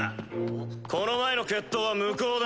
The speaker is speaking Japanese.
この前の決闘は無効だ。